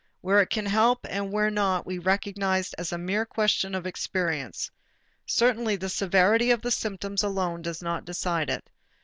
Where it can help and where not we recognize as a mere question of experience. Certainly the severity of the symptoms alone does not decide it.